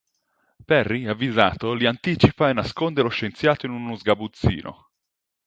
Perry, avvisato, li anticipa e nasconde lo scienziato in uno sgabuzzino.